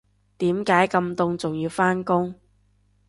點解咁凍仲要返工